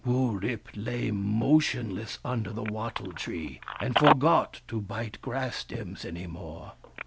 Wurip lay motionless under the wattle tree, and forgot to bite grass stems any more.